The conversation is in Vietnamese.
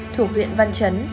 thuộc huyện văn trấn